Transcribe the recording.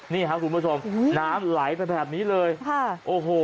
นี่ครับคุณผู้ชมน้ำไหลไปแบบนี้เลยค่ะโอ้โห